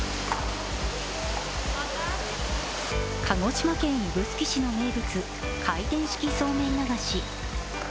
鹿児島県指宿市の名物、回転式そうめん流し。